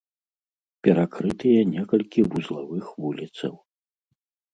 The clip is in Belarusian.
Перакрытыя некалькі вузлавых вуліцаў.